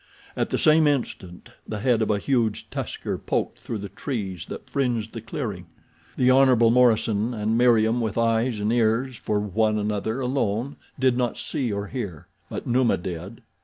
At the same instant the head of a huge tusker poked through the trees that fringed the clearing. The Hon. Morison and Meriem, with eyes and ears for one another alone, did not see or hear; but Numa did.